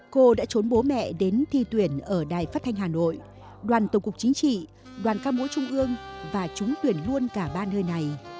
cô đã trốn bố mẹ đến thi tuyển ở đài phát thanh hà nội đoàn tổng cục chính trị đoàn ca mối trung ương và trúng tuyển luôn cả ba nơi này